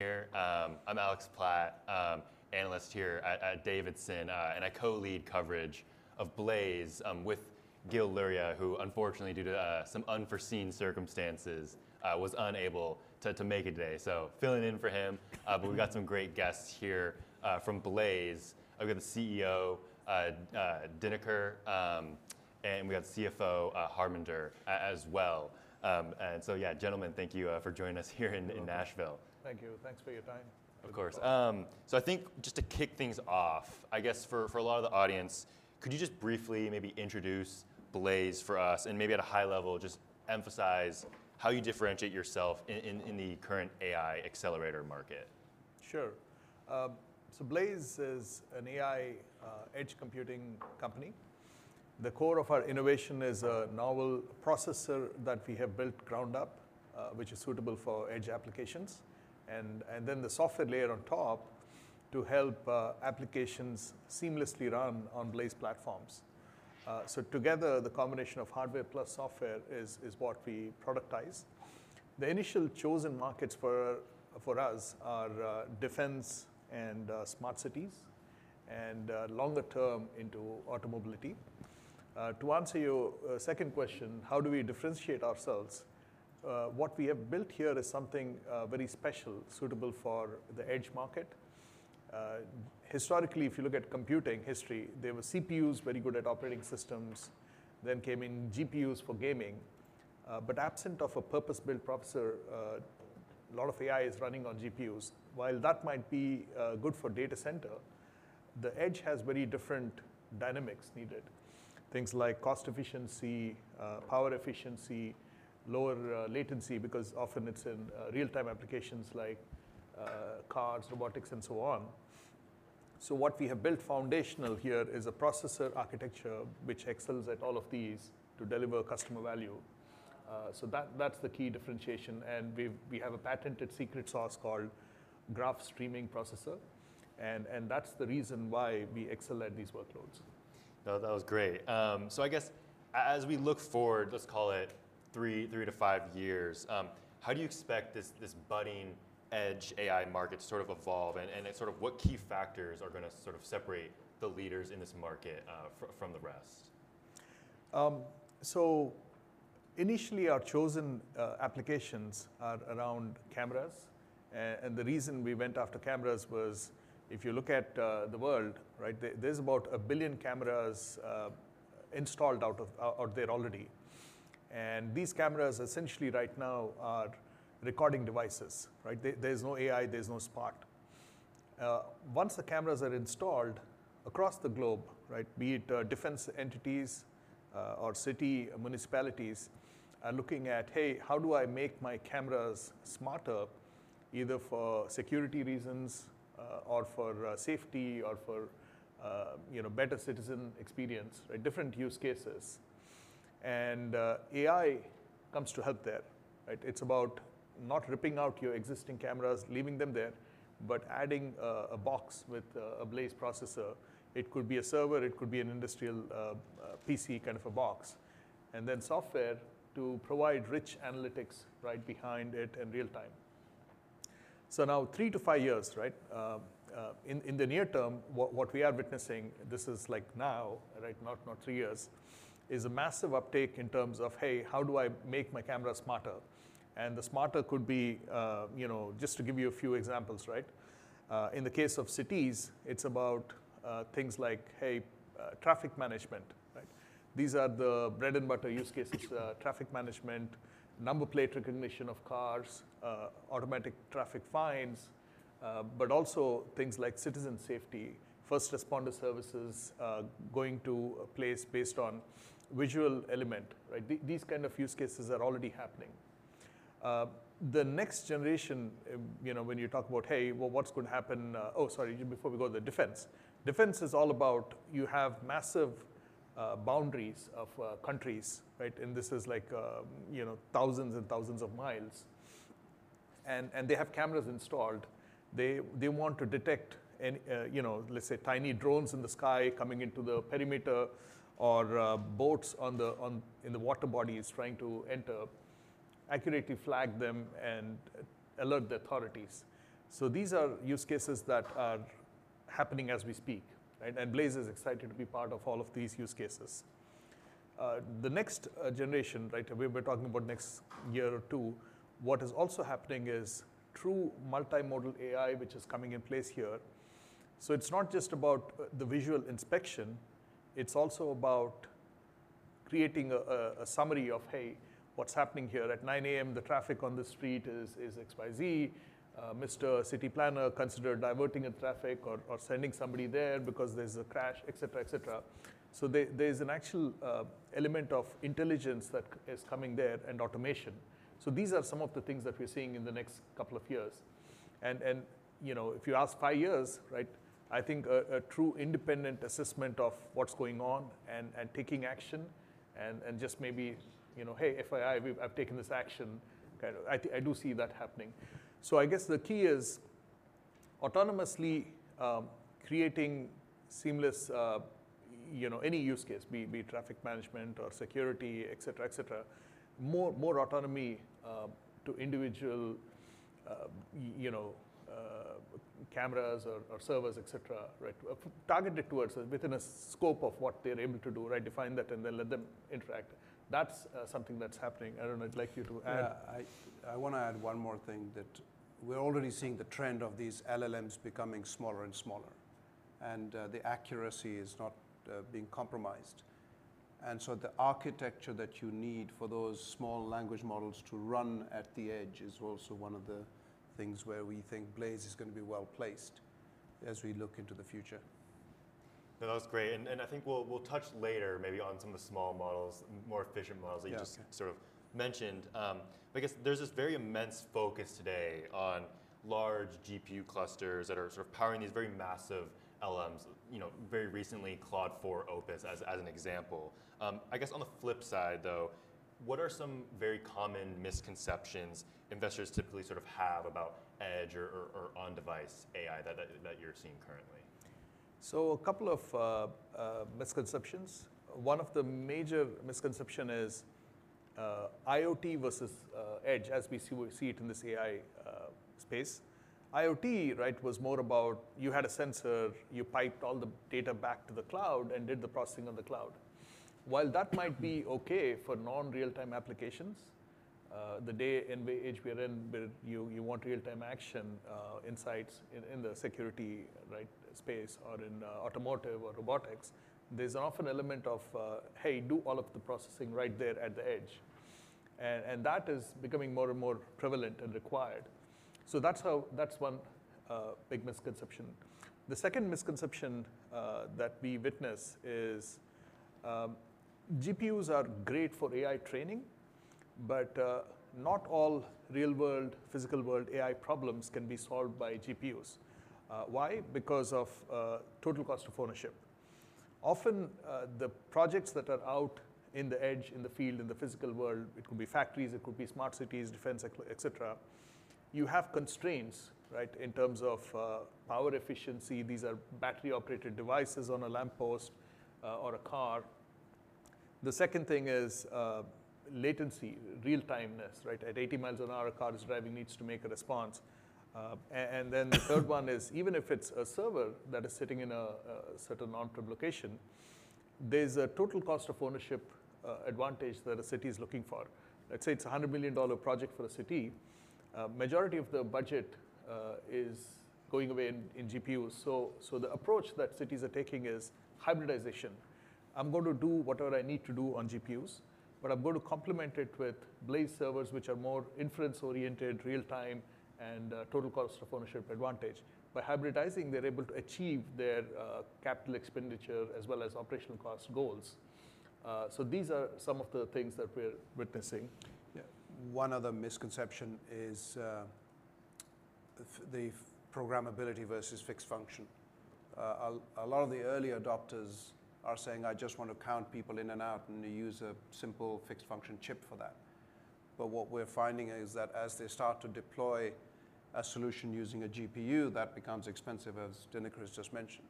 Here. I'm Alex Platt, analyst here at Davidson, and I co-lead coverage of Blaize with Gil Luria, who, unfortunately, due to some unforeseen circumstances, was unable to make it today. Filling in for him. We've got some great guests here from Blaize. We've got the CEO, Dinakar, and we've got the CFO, Harminder, as well. Yeah, gentlemen, thank you for joining us here in Nashville. Thank you. Thanks for your time. Of course. I think just to kick things off, I guess for a lot of the audience, could you just briefly maybe introduce Blaize for us and maybe at a high level just emphasize how you differentiate yourself in the current AI accelerator market? Sure. Blaize is an AI Edge computing company. The core of our innovation is a novel processor that we have built ground up, which is suitable for Edge applications. The software layer on top helps applications seamlessly run on Blaize platforms. Together, the combination of hardware plus software is what we productize. The initial chosen markets for us are defense and smart cities, and longer term into automobility. To answer your second question, how do we differentiate ourselves? What we have built here is something very special, suitable for the Edge market. Historically, if you look at computing history, there were CPUs very good at operating systems. Then came in GPUs for gaming. Absent a purpose-built processor, a lot of AI is running on GPUs. While that might be good for data center, the Edge has very different dynamics needed. Things like cost efficiency, power efficiency, lower latency, because often it's in real-time applications like cars, robotics, and so on. What we have built foundational here is a processor architecture which excels at all of these to deliver customer value. That's the key differentiation. We have a patented secret sauce called Graph Streaming Processor. That's the reason why we excel at these workloads. That was great. I guess as we look forward, let's call it three to five years, how do you expect this budding Edge AI market to sort of evolve? And what key factors are going to sort of separate the leaders in this market from the rest? Initially, our chosen applications are around cameras. The reason we went after cameras was if you look at the world, there are about a billion cameras installed out there already. These cameras essentially right now are recording devices. There is no AI, there is no smart. Once the cameras are installed across the globe, be it defense entities or city municipalities, they are looking at, hey, how do I make my cameras smarter, either for security reasons or for safety or for better citizen experience, different use cases? AI comes to help there. It is about not ripping out your existing cameras, leaving them there, but adding a box with a Blaize processor. It could be a server, it could be an industrial PC kind of a box, and then software to provide rich analytics right behind it in real time. Now, three to five years, in the near term, what we are witnessing, this is like now, not three years, is a massive uptake in terms of, hey, how do I make my cameras smarter? And the smarter could be, just to give you a few examples, in the case of cities, it's about things like, hey, traffic management. These are the bread and butter use cases: traffic management, number plate recognition of cars, automatic traffic fines, but also things like citizen safety, first responder services going to a place based on visual element. These kind of use cases are already happening. The next generation, when you talk about, hey, well, what's going to happen? Oh, sorry, before we go to the defense. Defense is all about you have massive boundaries of countries, and this is like thousands and thousands of miles. And they have cameras installed. They want to detect, let's say, tiny drones in the sky coming into the perimeter or boats in the water bodies trying to enter, accurately flag them and alert the authorities. These are use cases that are happening as we speak. Blaize is excited to be part of all of these use cases. The next generation, we are talking about next year or two, what is also happening is true multimodal AI, which is coming in place here. It is not just about the visual inspection. It is also about creating a summary of, hey, what is happening here at 9:00 A.M., the traffic on the street is X, Y, Z. Mr. City Planner considered diverting the traffic or sending somebody there because there is a crash, et cetera, et cetera. There is an actual element of intelligence that is coming there and automation. These are some of the things that we're seeing in the next couple of years. If you ask five years, I think a true independent assessment of what's going on and taking action and just maybe, hey, FYI, I've taken this action. I do see that happening. I guess the key is autonomously creating seamless any use case, be it traffic management or security, et cetera, et cetera, more autonomy to individual cameras or servers, et cetera, targeted towards within a scope of what they're able to do, define that, and then let them interact. That's something that's happening. I don't know. Would you like to add? Yeah. I want to add one more thing that we're already seeing the trend of these LLMs becoming smaller and smaller. And the accuracy is not being compromised. The architecture that you need for those small language models to run at the Edge is also one of the things where we think Blaize is going to be well placed as we look into the future. That was great. I think we'll touch later maybe on some of the small models, more efficient models that you just sort of mentioned. I guess there's this very immense focus today on large GPU clusters that are sort of powering these very massive LLMs, very recently Claude 3 Opus as an example. I guess on the flip side, though, what are some very common misconceptions investors typically sort of have about Edge or on-device AI that you're seeing currently? A couple of misconceptions. One of the major misconceptions is IoT versus Edge as we see it in this AI space. IoT was more about you had a sensor, you piped all the data back to the cloud and did the processing on the cloud. While that might be OK for non-real-time applications, the day NVIDIA Jetson, where you want real-time action insights in the security space or in automotive or robotics, there is often an element of, hey, do all of the processing right there at the Edge. That is becoming more and more prevalent and required. That is one big misconception. The second misconception that we witness is GPUs are great for AI training, but not all real-world, physical-world AI problems can be solved by GPUs. Why? Because of total cost of ownership. Often the projects that are out in the Edge, in the field, in the physical world, it could be factories, it could be smart cities, defense, et cetera, you have constraints in terms of power efficiency. These are battery-operated devices on a lamppost or a car. The second thing is latency, real-timeness. At 80 miles an hour, a car is driving, needs to make a response. The third one is even if it's a server that is sitting in a certain on-prem location, there's a total cost of ownership advantage that a city is looking for. Let's say it's a $100 million project for a city. Majority of the budget is going away in GPUs. The approach that cities are taking is hybridization. I'm going to do whatever I need to do on GPUs, but I'm going to complement it with Blaize servers, which are more inference-oriented, real-time, and total cost of ownership advantage. By hybridizing, they're able to achieve their capital expenditure as well as operational cost goals. These are some of the things that we're witnessing. Yeah. One other misconception is the programmability versus fixed function. A lot of the early adopters are saying, I just want to count people in and out and use a simple fixed function chip for that. What we are finding is that as they start to deploy a solution using a GPU, that becomes expensive, as Dinakar has just mentioned.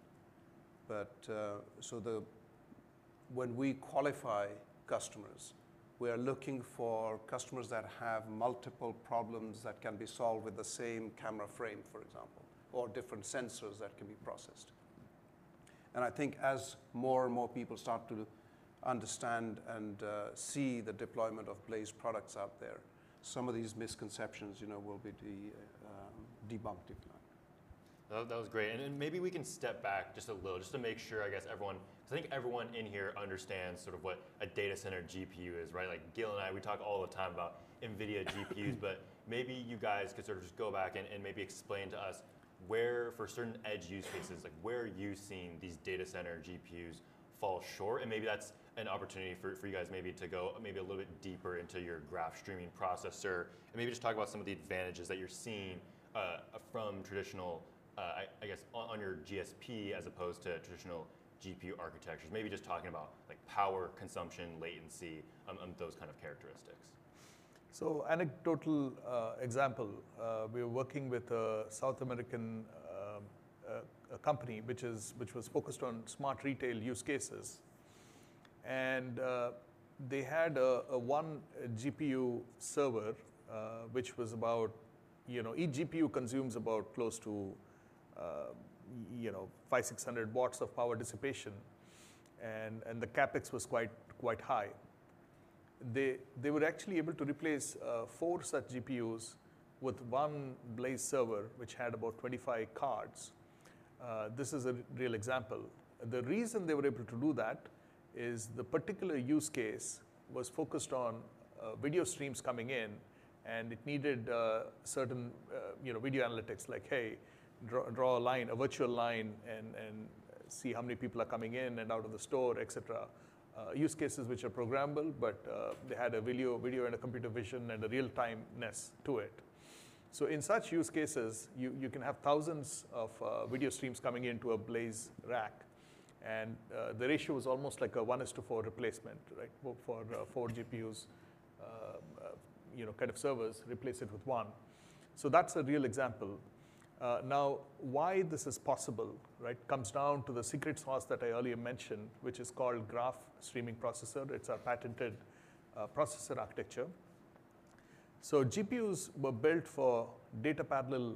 When we qualify customers, we are looking for customers that have multiple problems that can be solved with the same camera frame, for example, or different sensors that can be processed. I think as more and more people start to understand and see the deployment of Blaize products out there, some of these misconceptions will be debunked, if you like. That was great. Maybe we can step back just a little just to make sure, I guess, everyone because I think everyone in here understands sort of what a data center GPU is. Like Gill and I, we talk all the time about NVIDIA GPUs. Maybe you guys could sort of just go back and maybe explain to us where, for certain Edge use cases, where are you seeing these data center GPUs fall short? Maybe that's an opportunity for you guys maybe to go maybe a little bit deeper into your Graph Streaming Processor. Maybe just talk about some of the advantages that you're seeing from traditional, I guess, on your GSP as opposed to traditional GPU architectures. Maybe just talking about power consumption, latency, those kind of characteristics. Anecdotal example, we were working with a South American company which was focused on smart retail use cases. They had one GPU server, which was about, each GPU consumes about close to 500-600 watts of power dissipation. The CapEx was quite high. They were actually able to replace four such GPUs with one Blaize server, which had about 25 cards. This is a real example. The reason they were able to do that is the particular use case was focused on video streams coming in. It needed certain video analytics, like, hey, draw a line, a virtual line, and see how many people are coming in and out of the store, et cetera. Use cases which are programmable, but they had a video and a computer vision and a real-timeness to it. In such use cases, you can have thousands of video streams coming into a Blaize rack. The ratio was almost like a 1:4 replacement, with four GPU kind of servers replaced with one. That is a real example. Now, why this is possible comes down to the secret sauce that I earlier mentioned, which is called Graph Streaming Processor. It is our patented processor architecture. GPUs were built for data parallel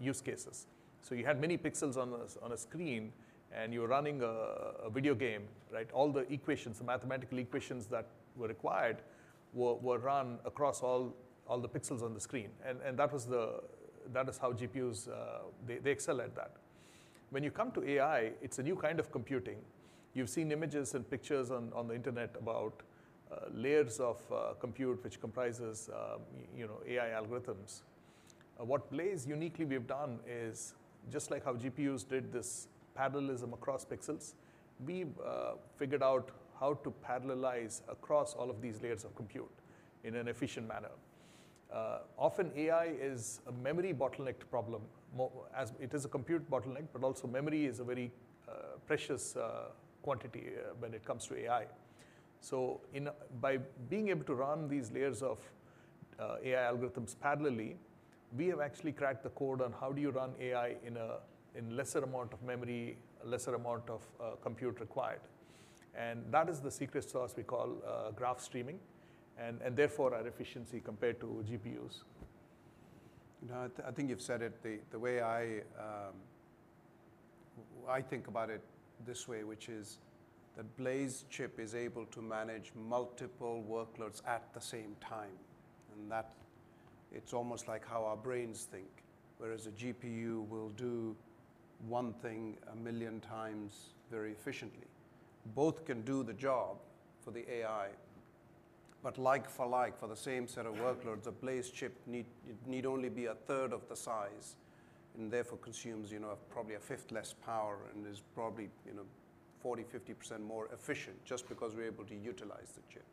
use cases. You had many pixels on a screen, and you were running a video game. All the equations, the mathematical equations that were required, were run across all the pixels on the screen. That is how GPUs excel at that. When you come to AI, it is a new kind of computing. You have seen images and pictures on the internet about layers of compute, which comprises AI algorithms. What Blaize uniquely we've done is just like how GPUs did this parallelism across pixels, we figured out how to parallelize across all of these layers of compute in an efficient manner. Often, AI is a memory bottleneck problem. It is a compute bottleneck, but also memory is a very precious quantity when it comes to AI. By being able to run these layers of AI algorithms parallelly, we have actually cracked the code on how do you run AI in a lesser amount of memory, lesser amount of compute required. That is the secret sauce we call Graph Streaming. Therefore, our efficiency compared to GPUs. I think you've said it. The way I think about it this way, which is that Blaize chip is able to manage multiple workloads at the same time. It's almost like how our brains think, whereas a GPU will do one thing a million times very efficiently. Both can do the job for the AI, but like for like, for the same set of workloads, a Blaize chip need only be a third of the size and therefore consumes probably a fifth less power and is probably 40%-50% more efficient just because we're able to utilize the chip.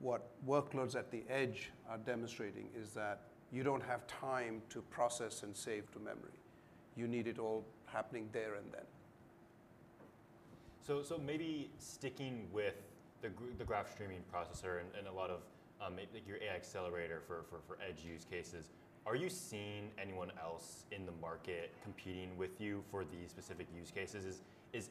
What workloads at the Edge are demonstrating is that you don't have time to process and save to memory. You need it all happening there and then. Maybe sticking with the Graph Streaming Processor and a lot of your AI accelerator for Edge use cases, are you seeing anyone else in the market competing with you for these specific use cases? Is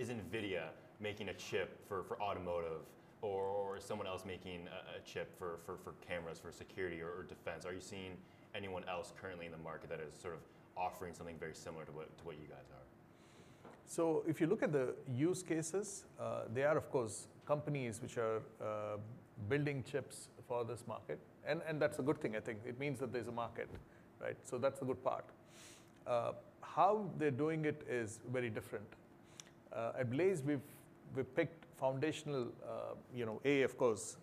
NVIDIA making a chip for automotive, or is someone else making a chip for cameras, for security, or defense? Are you seeing anyone else currently in the market that is sort of offering something very similar to what you guys are? If you look at the use cases, there are, of course, companies which are building chips for this market. That is a good thing, I think. It means that there is a market. That is a good part. How they are doing it is very different. At Blaize, we have picked foundational A, of course,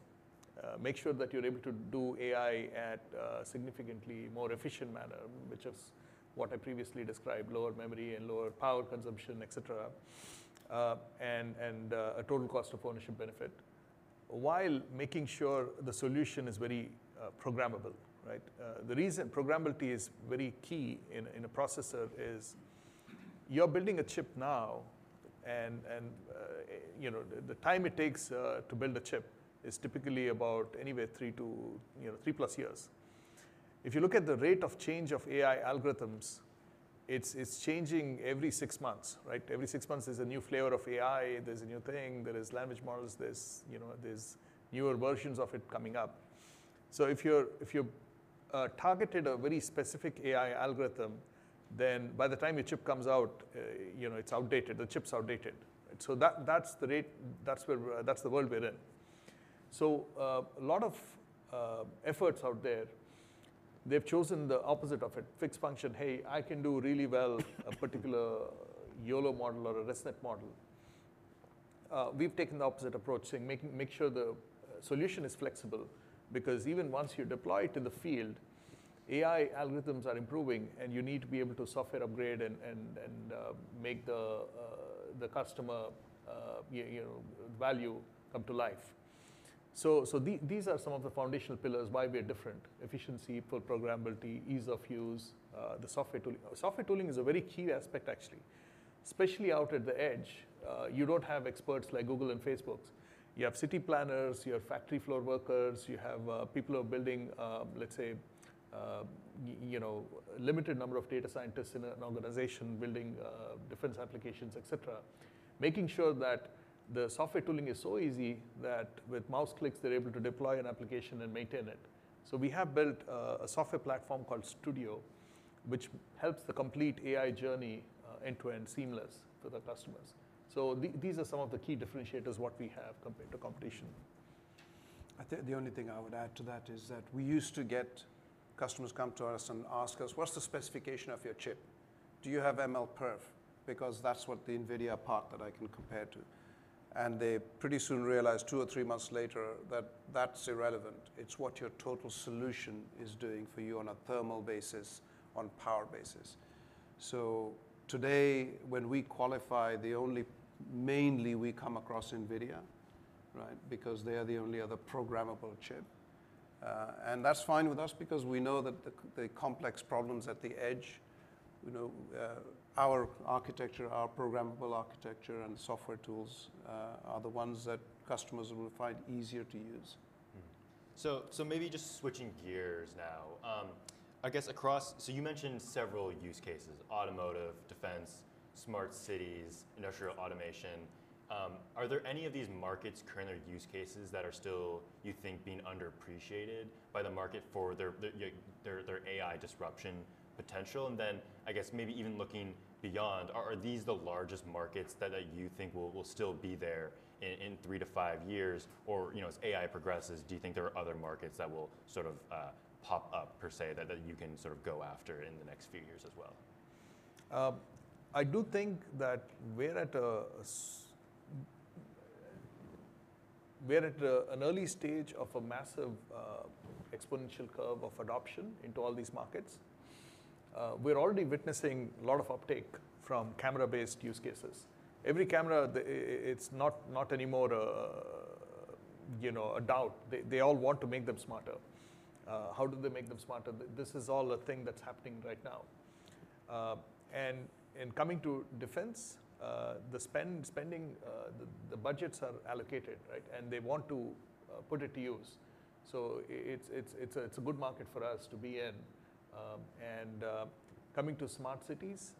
make sure that you are able to do AI in a significantly more efficient manner, which is what I previously described, lower memory and lower power consumption, et cetera, and a total cost of ownership benefit, while making sure the solution is very programmable. The reason programmability is very key in a processor is you are building a chip now, and the time it takes to build a chip is typically about, anyway, three to three-plus years. If you look at the rate of change of AI algorithms, it is changing every six months. Every six months is a new flavor of AI. There's a new thing. There are language models. There's newer versions of it coming up. If you're targeted a very specific AI algorithm, then by the time your chip comes out, it's outdated. The chip's outdated. That's the world we're in. A lot of efforts out there, they've chosen the opposite of it, fixed function. Hey, I can do really well a particular YOLO model or a ResNet model. We've taken the opposite approach, saying make sure the solution is flexible. Because even once you deploy it in the field, AI algorithms are improving, and you need to be able to software upgrade and make the customer value come to life. These are some of the foundational pillars why we're different: efficiency, full programmability, ease of use, the software tooling. Software tooling is a very key aspect, actually. Especially out at the Edge, you do not have experts like Google and Facebook. You have city planners. You have factory floor workers. You have people who are building, let's say, a limited number of data scientists in an organization building defense applications, et cetera, making sure that the software tooling is so easy that with mouse clicks, they are able to deploy an application and maintain it. We have built a software platform called AI Studio, which helps the complete AI journey end to end seamless for the customers. These are some of the key differentiators what we have compared to competition. I think the only thing I would add to that is that we used to get customers come to us and ask us, what's the specification of your chip? Do you have MLPerf? Because that's what the NVIDIA part that I can compare to. They pretty soon realized two or three months later that that's irrelevant. It's what your total solution is doing for you on a thermal basis, on a power basis. Today, when we qualify, mainly we come across NVIDIA because they are the only other programmable chip. That's fine with us because we know that the complex problems at the Edge, our architecture, our programmable architecture, and software tools are the ones that customers will find easier to use. Maybe just switching gears now, I guess across, so you mentioned several use cases: automotive, defense, smart cities, industrial automation. Are there any of these markets, currently use cases, that are still, you think, being underappreciated by the market for their AI disruption potential? And then I guess maybe even looking beyond, are these the largest markets that you think will still be there in three to five years? Or as AI progresses, do you think there are other markets that will sort of pop up, per se, that you can sort of go after in the next few years as well? I do think that we're at an early stage of a massive exponential curve of adoption into all these markets. We're already witnessing a lot of uptake from camera-based use cases. Every camera, it's not anymore a doubt. They all want to make them smarter. How do they make them smarter? This is all a thing that's happening right now. Coming to defense, the spending, the budgets are allocated, and they want to put it to use. It is a good market for us to be in. Coming to smart cities,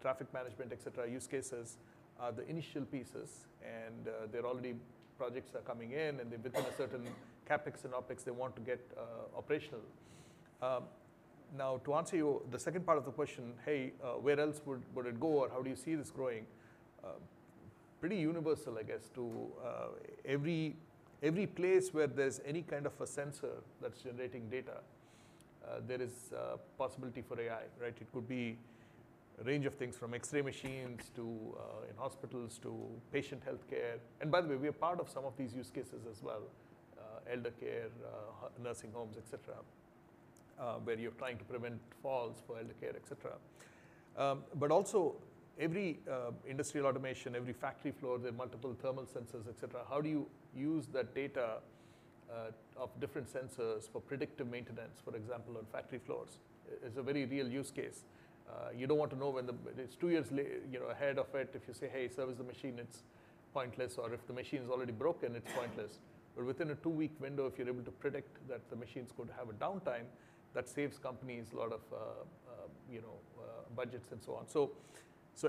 traffic management, et cetera, use cases are the initial pieces. There are already projects coming in. Within a certain CapEx and OpEx, they want to get operational. Now, to answer the second part of the question, hey, where else would it go or how do you see this growing? Pretty universal, I guess, to every place where there's any kind of a sensor that's generating data, there is a possibility for AI. It could be a range of things from X-ray machines in hospitals to patient health care. By the way, we are part of some of these use cases as well: elder care, nursing homes, et cetera, where you're trying to prevent falls for elder care, et cetera. Also, every industrial automation, every factory floor, there are multiple thermal sensors, et cetera. How do you use that data of different sensors for predictive maintenance, for example, on factory floors? It's a very real use case. You don't want to know when it's two years ahead of it. If you say, hey, service the machine, it's pointless. Or if the machine is already broken, it's pointless. Within a two-week window, if you're able to predict that the machine's going to have a downtime, that saves companies a lot of budgets and so on.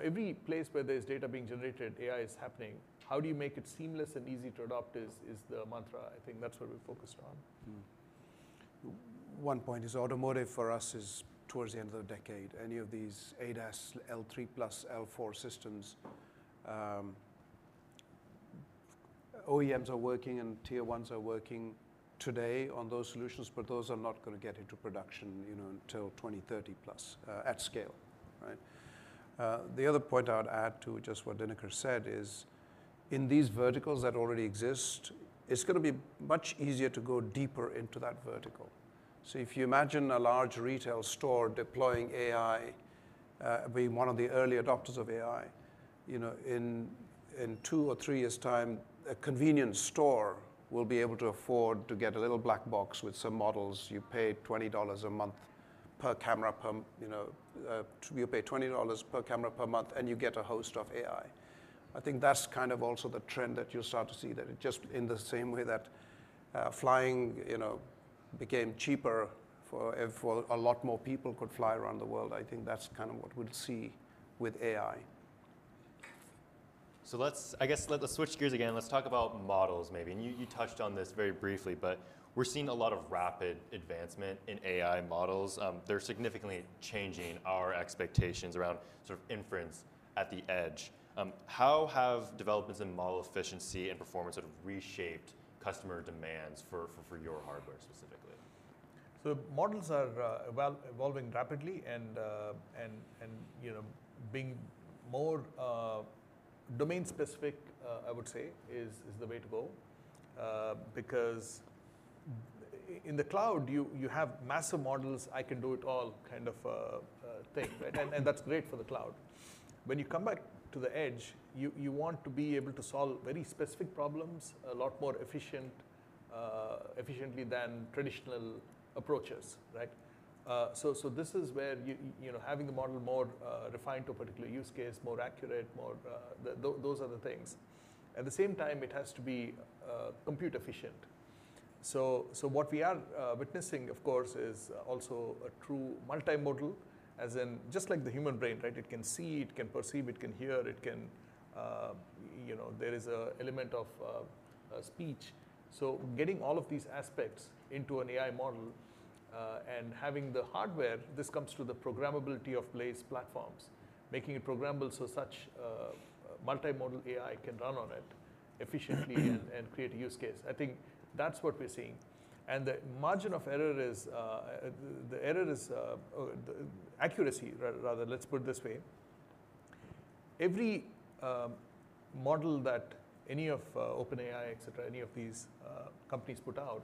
Every place where there's data being generated, AI is happening. How do you make it seamless and easy to adopt is the mantra. I think that's what we're focused on. One point is automotive for us is towards the end of the decade. Any of these ADAS L3 plus L4 systems, OEMs are working and Tier 1s are working today on those solutions, but those are not going to get into production until 2030 plus at scale. The other point I would add to just what Dinakar said is in these verticals that already exist, it's going to be much easier to go deeper into that vertical. If you imagine a large retail store deploying AI, being one of the early adopters of AI, in two or three years' time, a convenience store will be able to afford to get a little black box with some models. You pay $20 a month per camera. You pay $20 per camera per month, and you get a host of AI. I think that's kind of also the trend that you'll start to see, that just in the same way that flying became cheaper for a lot more people could fly around the world, I think that's kind of what we'll see with AI. I guess let's switch gears again. Let's talk about models maybe. And you touched on this very briefly, but we're seeing a lot of rapid advancement in AI models. They're significantly changing our expectations around inference at the Edge. How have developments in model efficiency and performance sort of reshaped customer demands for your hardware specifically? Models are evolving rapidly. And being more domain specific, I would say, is the way to go. Because in the cloud, you have massive models. I can do it all kind of thing. And that's great for the cloud. When you come back to the Edge, you want to be able to solve very specific problems a lot more efficiently than traditional approaches. This is where having a model more refined to a particular use case, more accurate, those are the things. At the same time, it has to be compute efficient. What we are witnessing, of course, is also a true multimodal, as in just like the human brain. It can see. It can perceive. It can hear. There is an element of speech. Getting all of these aspects into an AI model and having the hardware, this comes to the programmability of Blaize platforms, making it programmable so such multimodal AI can run on it efficiently and create a use case. I think that's what we're seeing. The margin of error is - accuracy, rather. Let's put it this way. Every model that any of OpenAI, et cetera, any of these companies put out,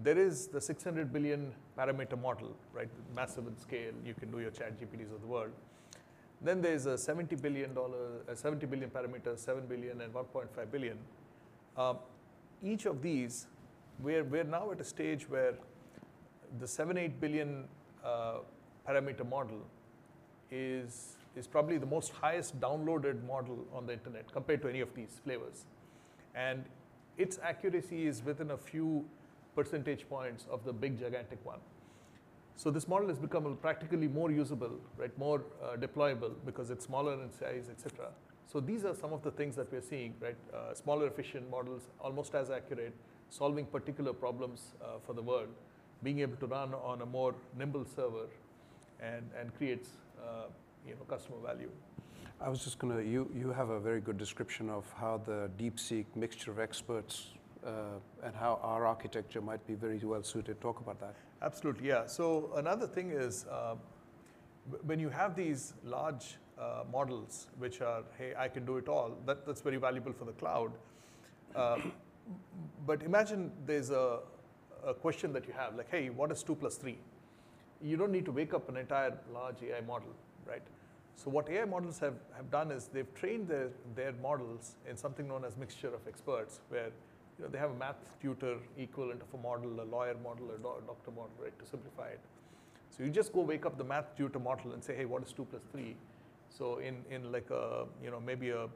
there is the 600 billion parameter model, massive in scale. You can do your ChatGPTs of the world. Then there's a $70 billion parameter, $7 billion, and $1.5 billion. Each of these, we're now at a stage where the $7 billion, $8 billion parameter model is probably the most highest downloaded model on the internet compared to any of these flavors. Its accuracy is within a few percentage points of the big gigantic one. This model has become practically more usable, more deployable because it's smaller in size, et cetera. These are some of the things that we're seeing: smaller efficient models, almost as accurate, solving particular problems for the world, being able to run on a more nimble server, and creates customer value. I was just going to, you have a very good description of how the DeepSeek Mixture of Experts and how our architecture might be very well suited. Talk about that. Absolutely. Yeah. Another thing is when you have these large models, which are, hey, I can do it all, that's very valuable for the cloud. Imagine there's a question that you have, like, hey, what is two plus three? You don't need to wake up an entire large AI model. What AI models have done is they've trained their models in something known as mixture of experts, where they have a math tutor equivalent of a model, a lawyer model, a doctor model, to simplify it. You just go wake up the math tutor model and say, hey, what is two plus three? In maybe a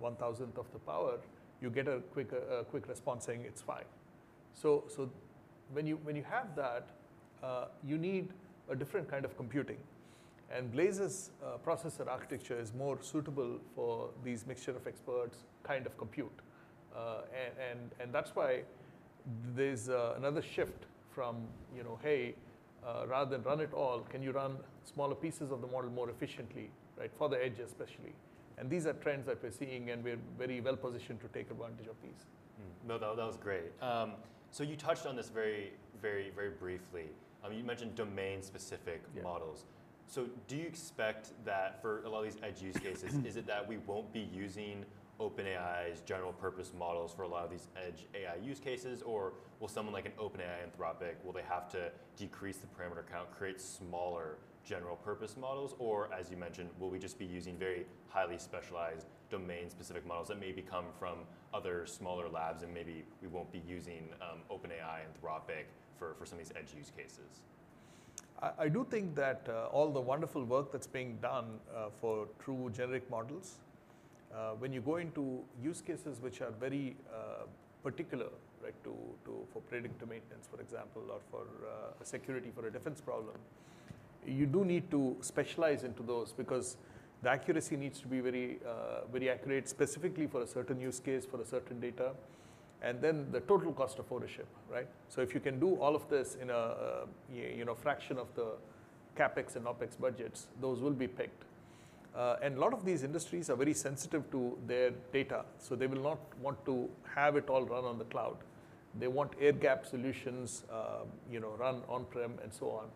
1,000th of the power, you get a quick response saying it's five. When you have that, you need a different kind of computing. Blaize's processor architecture is more suitable for these mixture of experts kind of compute. That is why there is another shift from, hey, rather than run it all, can you run smaller pieces of the model more efficiently for the Edge, especially? These are trends that we are seeing, and we are very well positioned to take advantage of these. No, that was great. You touched on this very, very, very briefly. You mentioned domain specific models. Do you expect that for a lot of these Edge use cases, is it that we will not be using OpenAI's general purpose models for a lot of these Edge AI use cases? Or will someone like an OpenAI, Anthropic, will they have to decrease the parameter count, create smaller general purpose models? Or, as you mentioned, will we just be using very highly specialized domain specific models that maybe come from other smaller labs? Maybe we will not be using OpenAI, Anthropic for some of these Edge use cases. I do think that all the wonderful work that's being done for true generic models, when you go into use cases which are very particular for predictive maintenance, for example, or for security for a defense problem, you do need to specialize into those because the accuracy needs to be very accurate specifically for a certain use case, for a certain data. The total cost of ownership. If you can do all of this in a fraction of the CapEx and OpEx budgets, those will be picked. A lot of these industries are very sensitive to their data. They will not want to have it all run on the cloud. They want air-gapped solutions run on-prem and so on.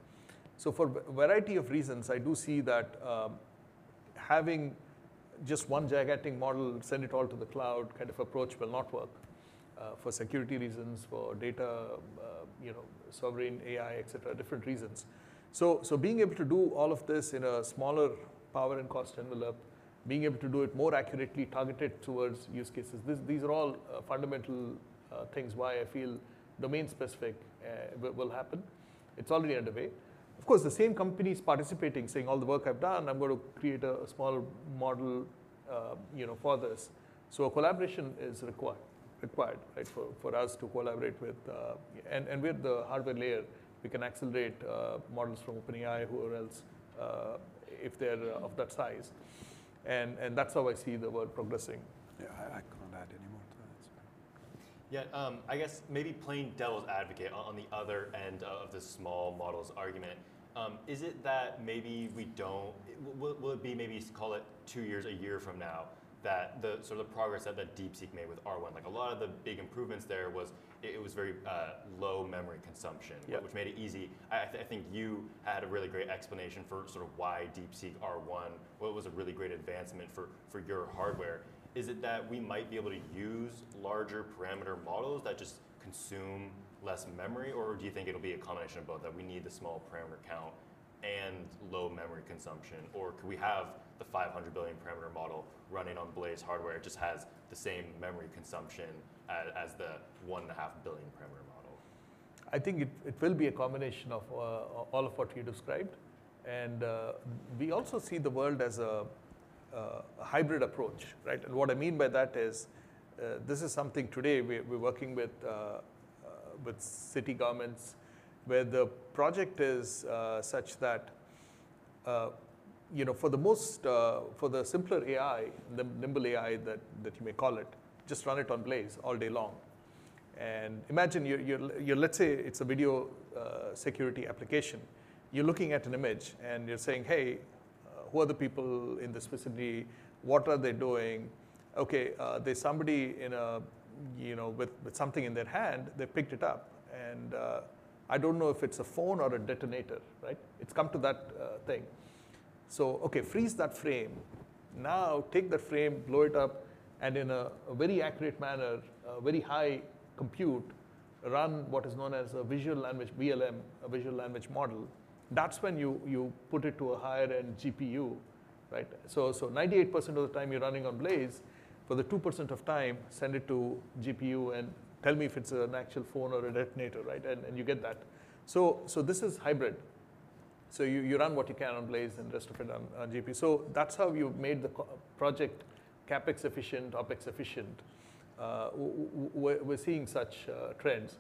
For a variety of reasons, I do see that having just one gigantic model, send it all to the cloud kind of approach, will not work for security reasons, for data sovereign AI, et cetera, different reasons. Being able to do all of this in a smaller power and cost envelope, being able to do it more accurately, targeted towards use cases, these are all fundamental things why I feel domain specific will happen. It is already underway. Of course, the same companies participating saying, all the work I have done, I am going to create a smaller model for this. Collaboration is required for us to collaborate with. With the hardware layer, we can accelerate models from OpenAI, whoever else, if they are of that size. That is how I see the world progressing. Yeah, I can't add any more to that. Yeah, I guess maybe playing devil's advocate on the other end of the small models argument, is it that maybe we don't, will it be maybe, call it two years, a year from now, that the progress that DeepSeek made with R1, like a lot of the big improvements there was it was very low memory consumption, which made it easy. I think you had a really great explanation for why DeepSeek R1, what was a really great advancement for your hardware. Is it that we might be able to use larger parameter models that just consume less memory? Or do you think it'll be a combination of both, that we need the small parameter count and low memory consumption? Or could we have the 500 billion parameter model running on Blaize hardware that just has the same memory consumption as the 1.5 billion parameter model? I think it will be a combination of all of what you described. We also see the world as a hybrid approach. What I mean by that is this is something today we're working with city governments, where the project is such that for the simpler AI, nimble AI that you may call it, just run it on Blaize all day long. Imagine you're, let's say it's a video security application. You're looking at an image, and you're saying, hey, who are the people in this vicinity? What are they doing? OK, there's somebody with something in their hand. They picked it up. I don't know if it's a phone or a detonator. It's come to that thing. OK, freeze that frame. Now take that frame, blow it up. In a very accurate manner, very high compute, run what is known as a visual language model, a VLM, a visual language model. That is when you put it to a higher-end GPU. 98% of the time you are running on Blaize. For the 2% of time, send it to GPU and tell me if it is an actual phone or a detonator. You get that. This is hybrid. You run what you can on Blaize and the rest of it on GPU. That is how you made the project CapEx efficient, OpEx efficient. We are seeing such trends.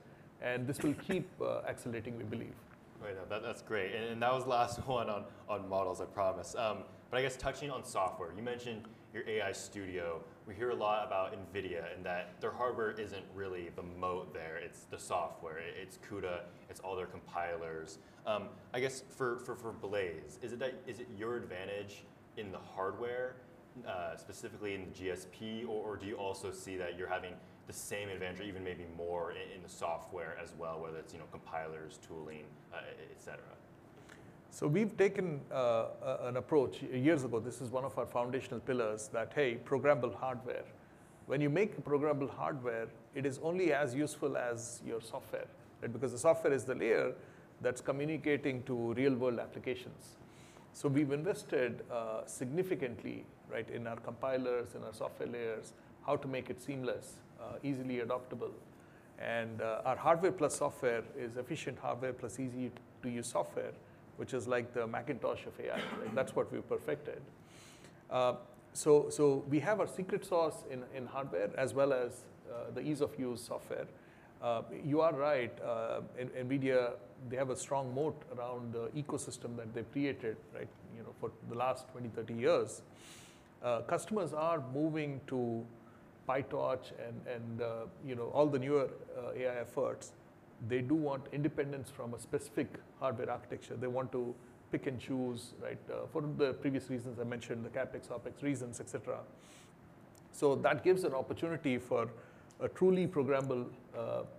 This will keep accelerating, we believe. Right. That's great. That was the last one on models, I promise. I guess touching on software, you mentioned your AI Studio. We hear a lot about NVIDIA and that their hardware is not really the moat there. It is the software. It is CUDA. It is all their compilers. I guess for Blaize, is it your advantage in the hardware, specifically in the GSP? Or do you also see that you are having the same advantage, or even maybe more in the software as well, whether it is compilers, tooling, et cetera? We have taken an approach years ago. This is one of our foundational pillars that, hey, programmable hardware. When you make a programmable hardware, it is only as useful as your software. Because the software is the layer that is communicating to real-world applications. We have invested significantly in our compilers, in our software layers, how to make it seamless, easily adoptable. Our hardware plus software is efficient hardware plus easy to use software, which is like the Macintosh of AI. That is what we have perfected. We have our secret sauce in hardware as well as the ease of use software. You are right. NVIDIA, they have a strong moat around the ecosystem that they have created for the last 20-30 years. Customers are moving to PyTorch and all the newer AI efforts. They do want independence from a specific hardware architecture. They want to pick and choose for the previous reasons I mentioned, the CapEx, OpEx reasons, et cetera. That gives an opportunity for a truly programmable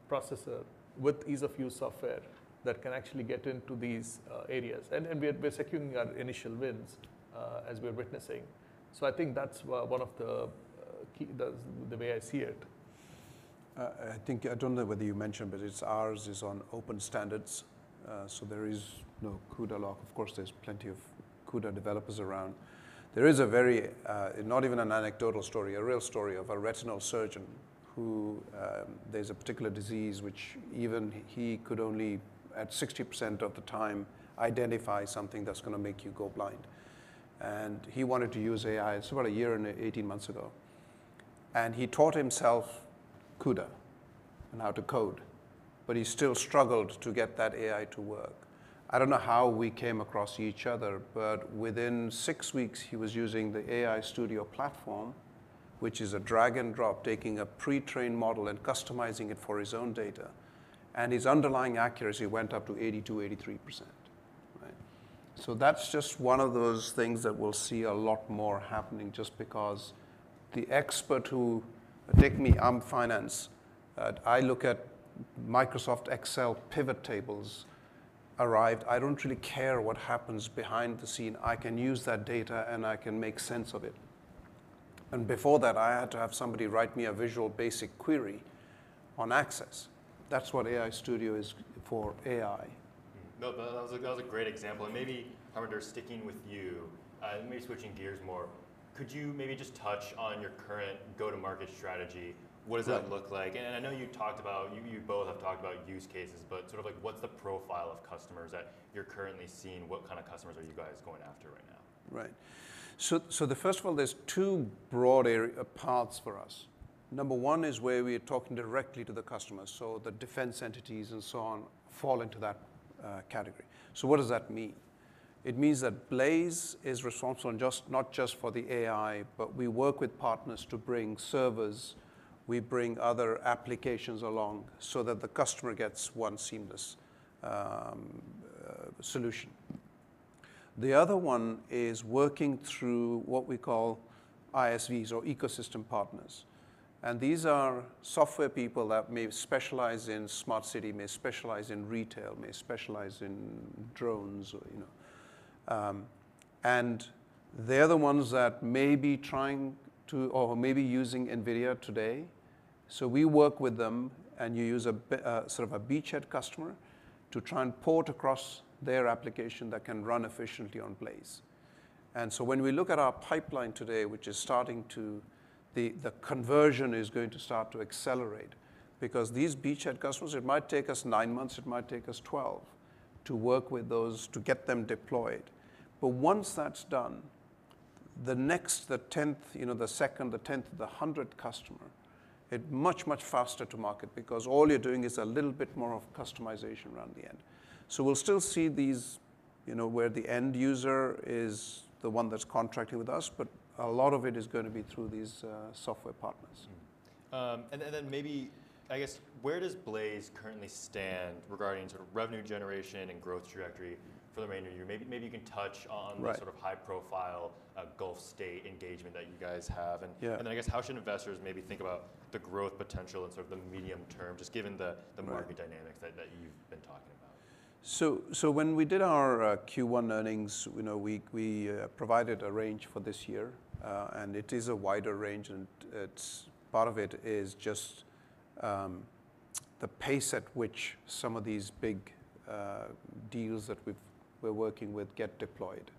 processor with ease of use software that can actually get into these areas. We are securing our initial wins as we are witnessing. I think that is one of the ways I see it. I think I don't know whether you mentioned, but it's ours is on open standards. So there is no CUDA lock. Of course, there's plenty of CUDA developers around. There is a very not even an anecdotal story, a real story of a retinal surgeon who there's a particular disease which even he could only at 60% of the time identify something that's going to make you go blind. And he wanted to use AI. It's about a year and 18 months ago. And he taught himself CUDA and how to code. But he still struggled to get that AI to work. I don't know how we came across each other, but within six weeks, he was using the AI Studio platform, which is a drag and drop, taking a pre-trained model and customizing it for his own data. And his underlying accuracy went up to 82%-83%. That's just one of those things that we'll see a lot more happening just because the expert who take me, I'm finance. I look at Microsoft Excel pivot tables arrived. I don't really care what happens behind the scene. I can use that data, and I can make sense of it. Before that, I had to have somebody write me a Visual Basic query on Access. That's what AI Studio is for AI. No, that was a great example. Maybe, Harminder, sticking with you, maybe switching gears more, could you maybe just touch on your current go-to-market strategy? What does that look like? I know you talked about, you both have talked about use cases, but what's the profile of customers that you're currently seeing? What kind of customers are you guys going after right now? Right. First of all, there are two broad paths for us. Number one is where we are talking directly to the customers. The defense entities and so on fall into that category. What does that mean? It means that Blaize is responsible not just for the AI, but we work with partners to bring servers. We bring other applications along so that the customer gets one seamless solution. The other one is working through what we call ISVs or ecosystem partners. These are software people that may specialize in smart city, may specialize in retail, may specialize in drones. They are the ones that may be trying to or may be using NVIDIA today. We work with them, and you use a beachhead customer to try and port across their application that can run efficiently on Blaize. When we look at our pipeline today, which is starting, the conversion is going to start to accelerate. Because these beachhead customers, it might take us nine months, it might take us 12 to work with those, to get them deployed. Once that's done, the next, the 10th, the 2nd, the 10th, the 100th customer, it's much, much faster to market because all you're doing is a little bit more of customization around the end. We'll still see these where the end user is the one that's contracting with us, but a lot of it is going to be through these software partners. Maybe I guess where does Blaize currently stand regarding revenue generation and growth trajectory for the remainder of the year? Maybe you can touch on the high-profile Gulf state engagement that you guys have. I guess how should investors maybe think about the growth potential in the medium term, just given the market dynamics that you've been talking about? When we did our Q1 earnings, we provided a range for this year. It is a wider range, and part of it is just the pace at which some of these big deals that we are working with get deployed.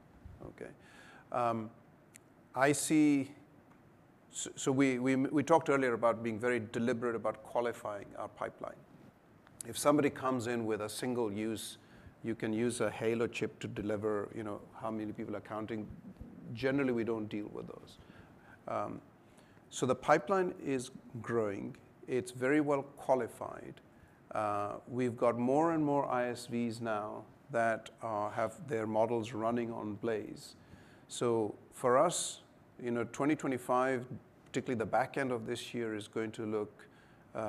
We talked earlier about being very deliberate about qualifying our pipeline. If somebody comes in with a single use, you can use a HALO chip to deliver how many people are counting. Generally, we do not deal with those. The pipeline is growing. It is very well qualified. We have more and more ISVs now that have their models running on Blaize. For us, 2025, particularly the back end of this year, is going to look—we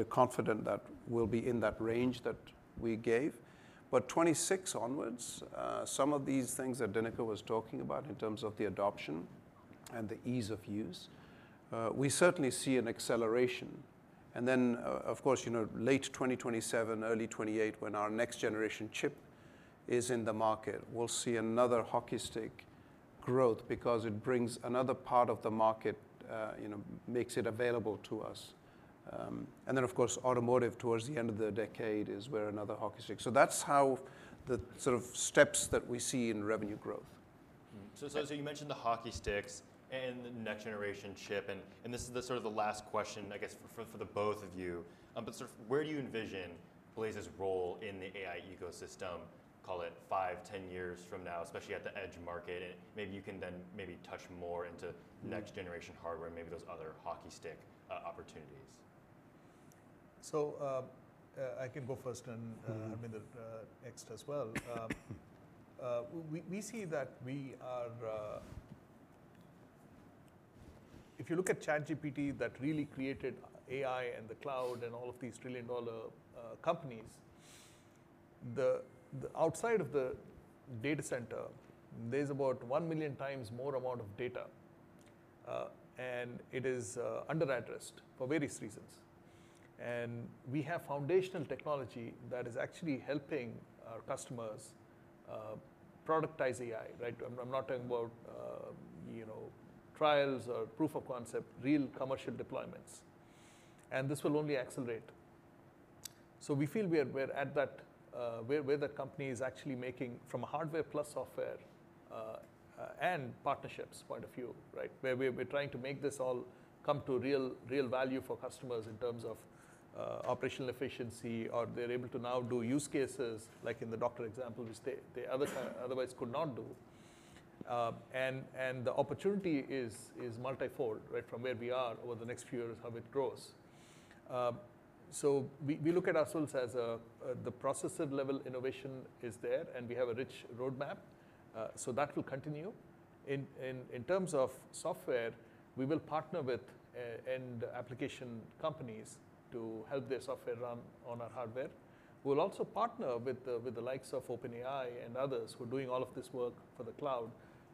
are confident that we will be in that range that we gave. Twenty twenty-six onwards, some of these things that Dinakar was talking about in terms of the adoption and the ease of use, we certainly see an acceleration. Of course, late 2027, early 2028, when our next generation chip is in the market, we will see another hockey stick growth because it brings another part of the market, makes it available to us. Of course, automotive towards the end of the decade is where another hockey stick. That is how the steps that we see in revenue growth. You mentioned the hockey sticks and the next generation chip. This is the last question, I guess, for the both of you. Where do you envision Blaize's role in the AI ecosystem, call it 5, 10 years from now, especially at the Edge market? Maybe you can then touch more into next generation hardware and maybe those other hockey stick opportunities. I can go first and Harminder next as well. We see that if you look at ChatGPT that really created AI and the cloud and all of these trillion-dollar companies, outside of the data center, there's about 1 million times more amount of data. It is under-addressed for various reasons. We have foundational technology that is actually helping our customers productize AI. I'm not talking about trials or proof of concept, real commercial deployments. This will only accelerate. We feel we're at that where the company is actually making from a hardware plus software and partnerships point of view, where we're trying to make this all come to real value for customers in terms of operational efficiency, or they're able to now do use cases like in the doctor example which they otherwise could not do. The opportunity is multi-fold from where we are over the next few years, how it grows. We look at ourselves as the processor level innovation is there, and we have a rich roadmap. That will continue. In terms of software, we will partner with end application companies to help their software run on our hardware. We'll also partner with the likes of OpenAI and others who are doing all of this work for the cloud.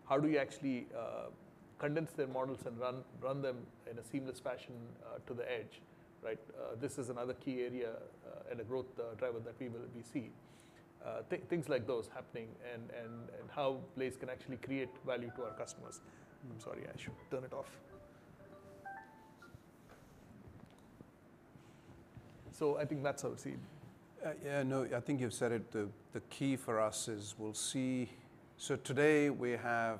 How do you actually condense their models and run them in a seamless fashion to the Edge? This is another key area and a growth driver that we will be seeing. Things like those happening and how Blaize can actually create value to our customers. I'm sorry. I should turn it off. I think that's how we see. Yeah. No, I think you've said it. The key for us is we'll see, so today we have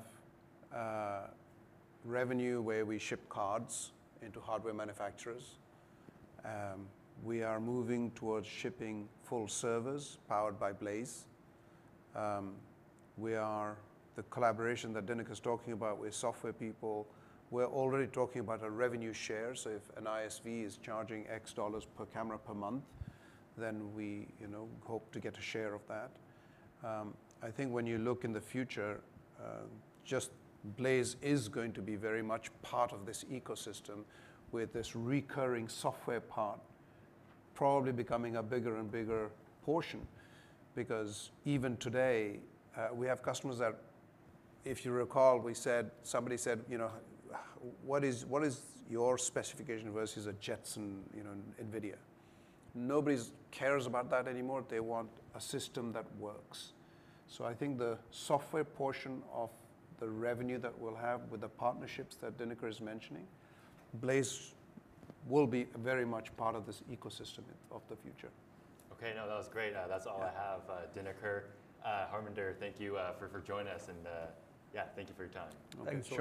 revenue where we ship cards into hardware manufacturers. We are moving towards shipping full servers powered by Blaize. We are the collaboration that Dinakar's talking about with software people. We're already talking about a revenue share. If an ISV is charging X dollars per camera per month, then we hope to get a share of that. I think when you look in the future, just Blaize is going to be very much part of this ecosystem with this recurring software part probably becoming a bigger and bigger portion. Because even today, we have customers that, if you recall, we said somebody said, what is your specification versus a Jetson NVIDIA? Nobody cares about that anymore. They want a system that works. I think the software portion of the revenue that we'll have with the partnerships that Dinakar is mentioning, Blaize will be very much part of this ecosystem of the future. OK. No, that was great. That's all I have, Dinakar. Harminder, thank you for joining us. Yeah, thank you for your time. Thanks.